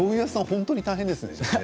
本当に大変ですね。